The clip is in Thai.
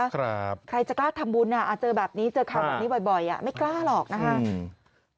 ใครจะกล้าทำบุญเจอแบบนี้เจอคำอันนี้บ่อยไม่กล้าหรอกนะครับ